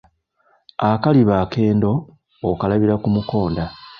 Akaliba akendo, okalabira ku mukonda